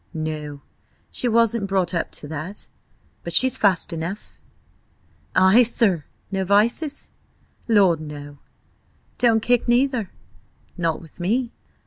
"No, she wasn't brought up to that. But she's fast enough." "Ay, sir. No vices?" "Lord, no!" "Don't kick neither?" "Not with me."